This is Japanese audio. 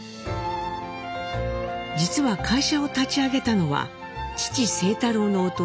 実は会社を立ち上げたのは父清太郎の弟